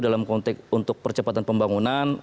dalam konteks untuk percepatan pembangunan